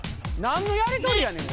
何のやり取りやねん。